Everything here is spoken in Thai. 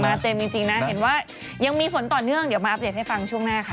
เต็มจริงนะเห็นว่ายังมีฝนต่อเนื่องเดี๋ยวมาอัปเดตให้ฟังช่วงหน้าค่ะ